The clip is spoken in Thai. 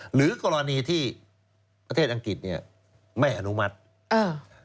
หรือกรณีที่ประเทศอังกฤษเนี่ยไม่อนุมัติอ่า